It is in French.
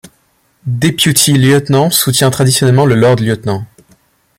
Deputy Lieutenants soutien Traditionnellement le Lord-Lieutenant.